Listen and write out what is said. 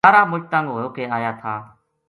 سارا مُچ تنگ ہو کے آیا تھا